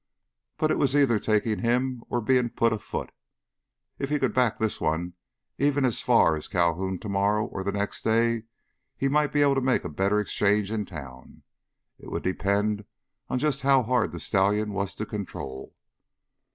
But it was either taking him or being put afoot. If he could back this one even as far as Calhoun tomorrow or the next day he might be able to make a better exchange in town. It would depend on just how hard the stallion was to control.